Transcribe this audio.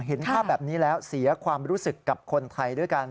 เห็นภาพแบบนี้แล้วเสียความรู้สึกกับคนไทยด้วยกัน